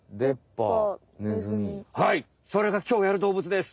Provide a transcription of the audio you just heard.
はいそれがきょうやる動物です！